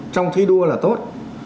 trong thi đua là tốt